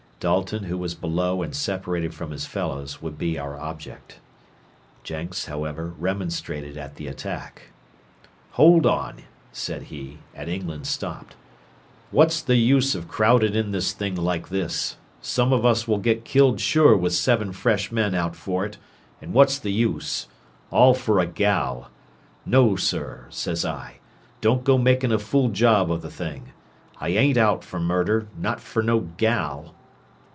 Dalton, who was below and separated from his fellows, would be our object. Jenks, however, remonstrated at the attack. "Hold on," said he, and England stopped. "What's the use of crowding in this thing like this? Some of us will get killed sure with seven fresh men out for it, and what's the use? All for a gal. No, sir, says I, don't go making a fool job of the thing. I ain't out for murder, not fer no gal."